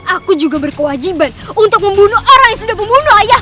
aku juga berkewajiban untuk membunuh orang yang sudah membunuh ayah